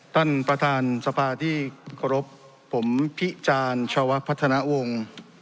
ท่านประธานสภาที่เคารพผมพิจารณ์ชาวพัฒนาวงศ์